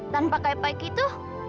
tanpa kayak baik itu